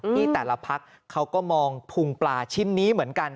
ที่แต่ละพักเขาก็มองพุงปลาชิ้นนี้เหมือนกัน